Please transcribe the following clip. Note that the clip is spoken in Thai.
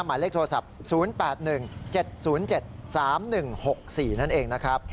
หมายเลขโทรศัพท์๐๘๑๗๐๗๓๑๖๔นั่นเองนะครับ